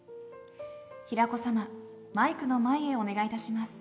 平子さまマイクの前へお願いいたします。